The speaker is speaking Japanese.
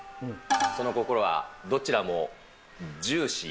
その心は、どちらもジューシー。